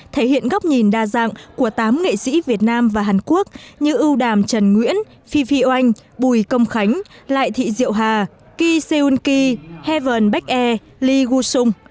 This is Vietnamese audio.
thể hiện góc nhìn đa dạng của tám nghệ sĩ việt nam và hàn quốc như ưu đàm trần nguyễn phi phi oanh bùi công khánh lại thị diệu hà ki seun ki heaven baek e lee woo sung